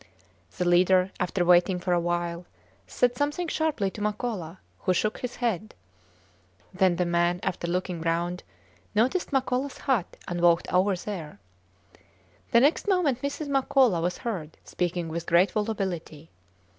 The leader, after waiting for a while, said something sharply to Makola, who shook his head. Then the man, after looking round, noticed Makolas hut and walked over there. The next moment Mrs. Makola was heard speaking with great volubility.